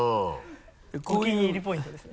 お気に入りポイントですね。